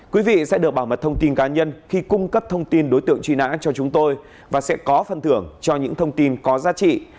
quý vị sẽ được bảo mật thông tin cá nhân khi cung cấp thông tin đối tượng truy nã cho chúng tôi và sẽ có phần thưởng cho những thông tin có giá trị